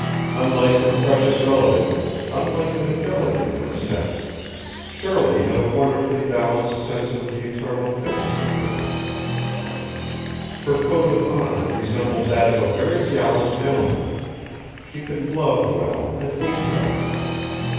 Unlike her precious relative, unlike the majority of her sex, Shirley had a wonderfully balanced sense of the eternal fitness of things; her code of honour resembled that of a very gallant gentleman. She could love well and hate well.